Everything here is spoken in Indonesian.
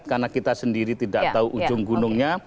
karena kita sendiri tidak tahu ujung gunungnya